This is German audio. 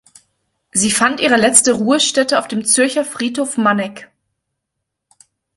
Sie fand ihre letzte Ruhestätte auf dem Zürcher Friedhof Manegg.